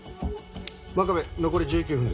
真壁残り１９分です。